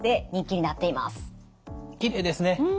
きれいですね！